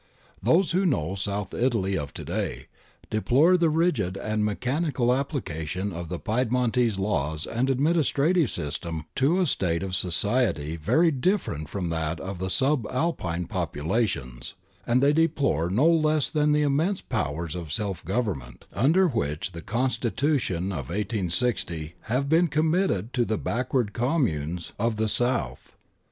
Those who know South Italy of to day deplore the rigid and mechanical application of the Piedmontese laws and administrative system to a state of society very different from that of the sub Alpine populations ; and they deplore no less the immense powers of self government which under the constitution of i860 have been committed to the backward communes 264 GARIBALDI AND THE MAKING OF ITALY of the South.